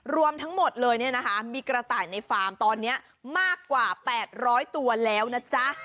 รวมทั้งหมดเลยเนี่ยนะคะมีกระต่ายในฟาร์มตอนนี้มากกว่า๘๐๐ตัวแล้วนะจ๊ะ